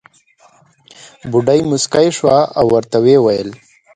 بوډۍ موسکۍ شوه او ورته وې وېل.